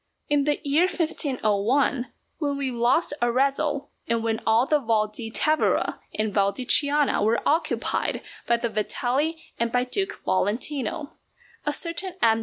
In the year 1501, when we lost Arezzo, and when all the Val di Tevere and Val di Chiana were occupied by the Vitelli and by Duke Valentino, a certain M.